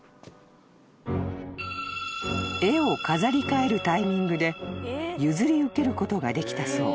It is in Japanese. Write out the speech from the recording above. ［絵を飾りかえるタイミングで譲り受けることができたそう］